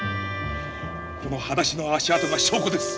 このはだしの足跡が証拠です！